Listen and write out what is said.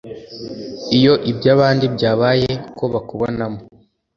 Iyo iby’ahandi byabaye ko bakubonamo